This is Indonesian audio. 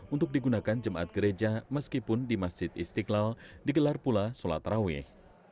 untuk digunakan jemaat gereja meskipun di masjid istiqlal digelar pula sholat rawih